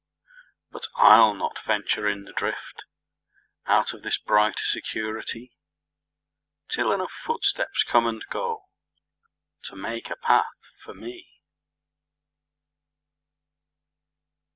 But I'll not venture in the driftOut of this bright security, Till enough footsteps come and goTo make a path for me.